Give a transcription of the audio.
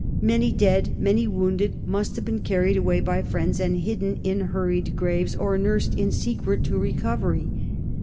Many dead, many wounded, must have been carried away by friends and hidden in hurried graves, or nursed in secret to recovery.